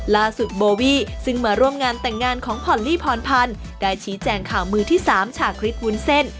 โบวี่ซึ่งมาร่วมงานแต่งงานของพรลี่พรพันธ์ได้ชี้แจงข่าวมือที่๓ฉาคริสวุ้นเส้น